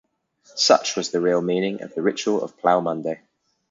Such was the real meaning of the ritual of Plough Monday.